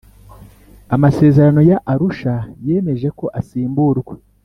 amasezerano ya Arushayemeje ko asimburwa